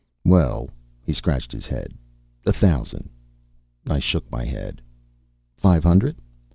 "Well " he scratched his head "a thousand?" I shook my head. "Five hundred?"